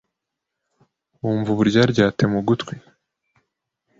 wumva Uburyaryate mu gutwi